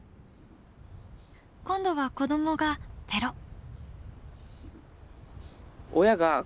今度は子どもがぺろっ。